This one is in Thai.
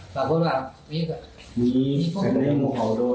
ตายหนึ่ง